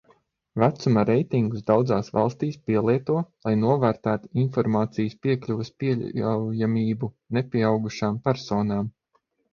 Vecuma reitingus daudzās valstīs pielieto, lai novērtētu informācijas piekļuves pieļaujamību nepieaugušām personām.